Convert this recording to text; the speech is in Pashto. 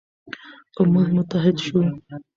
که موږ متحد شو.